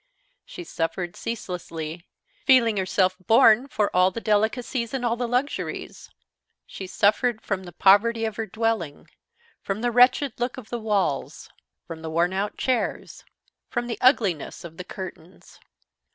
She suffered ceaselessly, feeling herself born for all the delicacies and all the luxuries. She suffered from the poverty of her dwelling, from the wretched look of the walls, from the worn out chairs, from the ugliness of the curtains.